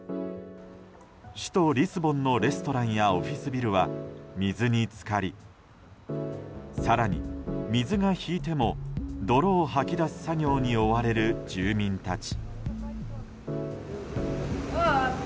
首都リスボンのレストランやオフィスビルは水に浸かり更に水が引いても泥を吐き出す作業に追われる住民たち。